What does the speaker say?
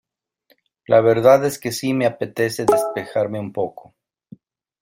La verdad es que sí me apetece despejarme un poco.